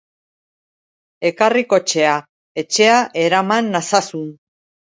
Ekarri kotxea, etxea eraman nazazun.